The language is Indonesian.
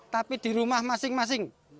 tapi di rumah masing masing